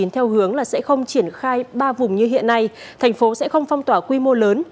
theo hướng là sẽ không triển khai ba vùng như hiện nay thành phố sẽ không phong tỏa quy mô lớn